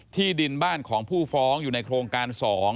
ที่ดินบ้านของผู้ฟ้องอยู่ในโครงการ๒